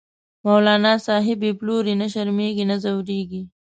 مولانا صاحب یی پلوری، نه شرمیزی نه ځوریږی